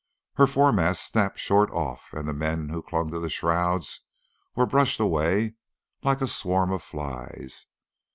Her foremast snapped short off, and the men who clung to the shrouds were brushed away like a swarm of flies.